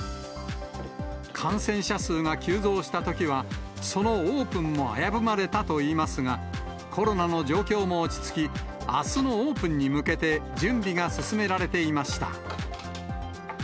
感染者数が急増したときはそのオープンも危ぶまれたといいますが、コロナの状況も落ち着き、あすのオープンに向けて、準備が進められていました。